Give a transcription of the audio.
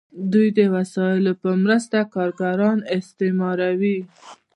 دوی د وسایلو په مرسته کارګران استثماروي.